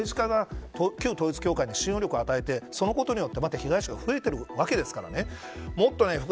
だって政治家が旧統一教会に信用力を与えてそのことによってまた被害者が増えているわけですから。